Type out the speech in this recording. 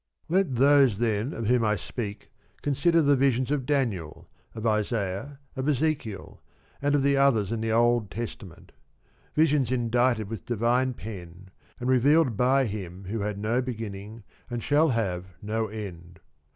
Let those then of whom I speak consider the visions of Daniel, of Isaiah, of Ezekiel, and of the others in the Old Testament ; visions endited with divine pen, 70 and revealed by him who had no beginning and shall have no end.